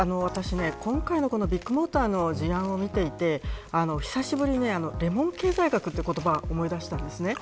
今回のビッグモーターの事案を見ていて久しぶりにレモン経済学という言葉を思い出したんです。